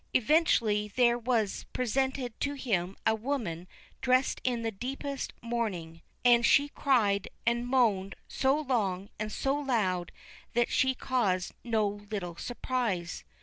Eventu ally there was presented to him a woman dressed in the deepest mourning, and she cried and moaned so long and so loud that she caused no little surprise.